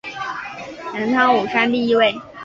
镰仓五山第一位。